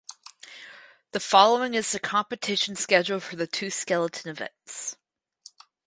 The following is the competition schedule for the two skeleton events.